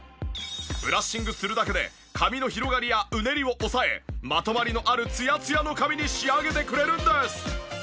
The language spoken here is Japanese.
ブラッシングするだけで髪の広がりやうねりを抑えまとまりのあるツヤツヤの髪に仕上げてくれるんです！